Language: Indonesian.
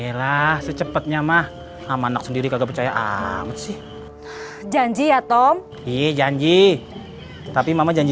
ya lah secepetnya mah sama anak sendiri kagak percaya amat sih janji ya tom i janji tapi mama janji